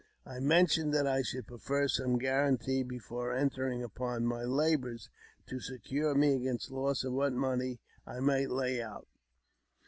I mentioned that I should prefer some guarantee before entering upon my labours, to secure me against loss of what money I might lay out.